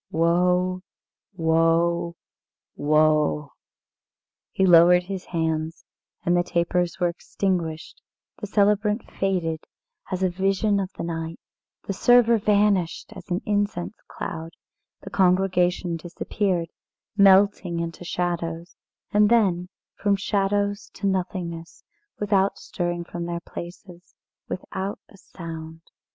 Woe! woe! woe!" He lowered his hands, and the tapers were extinguished, the celebrant faded as a vision of the night, the server vanished as an incense cloud, the congregation disappeared, melting into shadows, and then from shadows to nothingness, without stirring from their places, and without a sound.